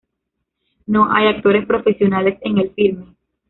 No hay actores profesionales en el filme.